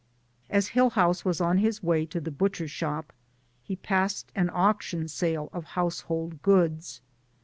As Hillhouse was on his way to the butcher shop, he passed an auction sale of household goods.